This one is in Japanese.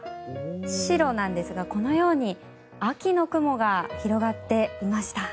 白なんですが、このように秋の雲が広がっていました。